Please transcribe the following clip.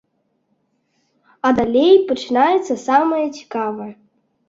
А далей пачынаецца самае цікавае.